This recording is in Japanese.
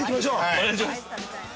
◆お願いします。